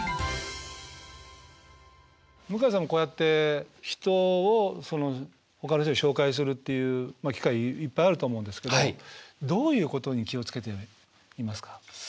向井さんもこうやって人をそのほかの人に紹介するっていう機会いっぱいあると思うんですけどどういうことに気をつけていますか？